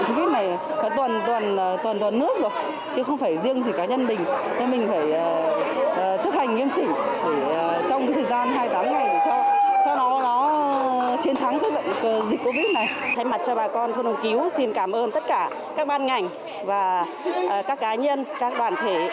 thay mặt cho bà con thôn đông cứu xin cảm ơn tất cả các ban ngành và các cá nhân các đoàn thể